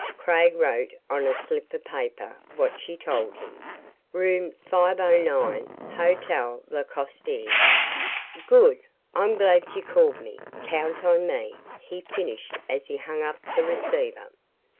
Craig wrote on a slip of paper what she told him "Room 509, Hotel La Coste." "Good I'm glad you called me. Count on me," he finished as he hung up the receiver.